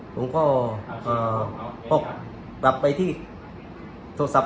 ผมก็พอกลับไปที่โทรศัพท์